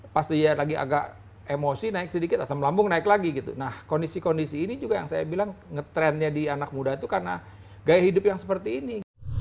pasti lagi agak emosi naik sedikit asam lambung naik lagi gitu nah kondisi kondisi ini juga yang saya bilang nge trendnya di anak muda itu karena gaya hidup yang seperti ini